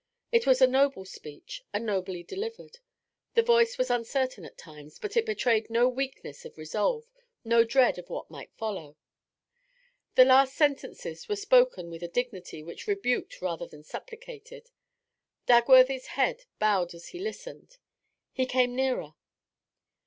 It was a noble speech, and nobly delivered; the voice was uncertain at times, but it betrayed no weakness of resolve, no dread of what might follow. The last sentences were spoken with a dignity which rebuked rather than supplicated. Dagworthy's head bowed as he listened. He came nearer.